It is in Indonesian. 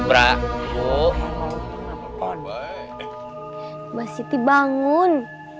bu siti bangun